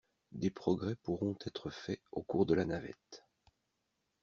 Des progrès pourront être faits au cours de la navette.